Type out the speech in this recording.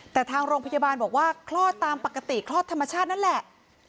แต่ทางโรงพยาบาลบอกว่าคลอดตามปกติคลอดธรรมชาตินั่นแหละ